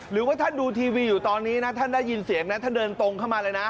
หรือว่าท่านดูทีวีอยู่ตอนนี้นะท่านได้ยินเสียงนะท่านเดินตรงเข้ามาเลยนะ